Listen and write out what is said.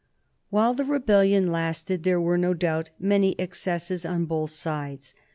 While the rebellion lasted there were, no doubt, many excesses on both sides.